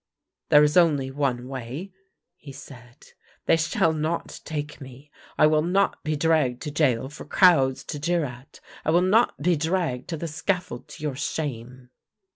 " There is only one way! " he said. " They shall not take me. I will not be dragged to gaol for crowds to jeer at. I will not be dragged to the scaffold to your shame."